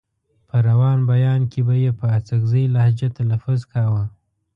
په روان بيان کې به يې په اڅکزۍ لهجه تلفظ کاوه.